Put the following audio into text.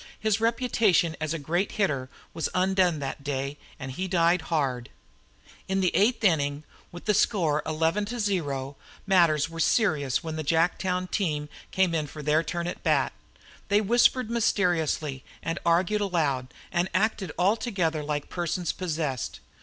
His reputation as a great hitter was undone that day and he died hard. In the eighth inning, with the score 11 to 0, matters were serious when the Jacktown team came in for their turn at bat. They whispered mysteriously and argued aloud, and acted altogether like persons possessed.